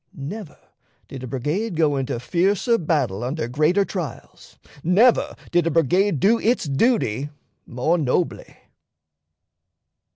Never did a brigade go into fiercer battle under greater trials; never did a brigade do its duty more nobly."